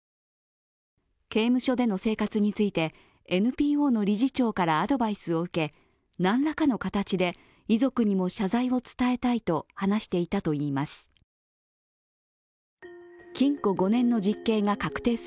刑務所での生活についてＮＰＯの理事長からアドバイスを受け何らかの形で遺族にも謝罪を伝えたいと話していたといいます。